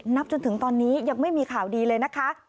จนถึงตอนนี้ยังไม่มีข่าวดีเลยนะคะ